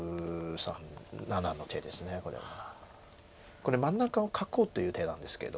これ真ん中を囲うという手なんですけど。